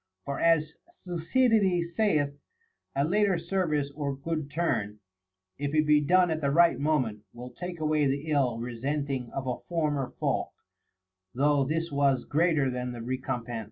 For as Thucydides saith, A later service or good turn, if it be clone at the right moment, will take away the ill resenting of a former fault, though this was greater than the recompense.